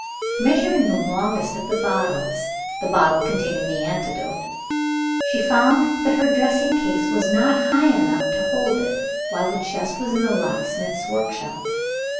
Measuring the longest of the bottles (the bottle containing the antidote), she found that her dressing case was not high enough to hold it, while the chest was in the locksmith's workshop.